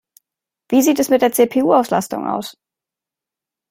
Wie sieht es mit der CPU-Auslastung aus?